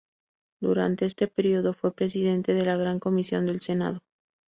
Durante este periodo fue Presidente de la Gran Comisión del Senado.